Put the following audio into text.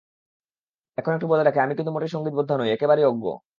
এখন একটু বলে রাখি, আমি কিন্তু মোটেই সংগীতবোদ্ধা নই, একেবারেই অজ্ঞ।